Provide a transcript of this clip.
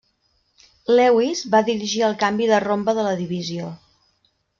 Lewis va dirigir el canvi de rombe de la divisió.